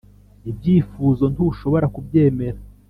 ibyifuzo ntushobora kubyemera